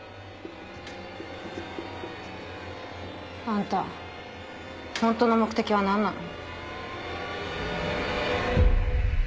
あんたホントの目的は何なの？